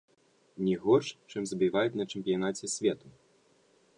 Не горш, чым забіваюць на чэмпіянаце свету!